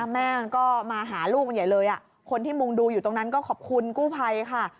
แม่มันก็มาหาลูกมันใหญ่เลยคนที่มุงดูอยู่ตรงนั้นก็ขอบคุณกู้ภัยค่ะ